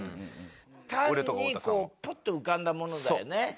単にポッと浮かんだものだよね。